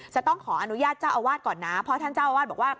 จะต้องขออนุญาตเจ้าอาวาสก่อนนะเพราะท่านเจ้าอาวาสบอกว่า